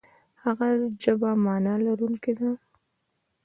د هغه ژبه معنا لرونکې ده.